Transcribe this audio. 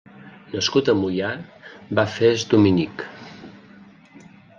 Nascut a Moià, va fer-se dominic.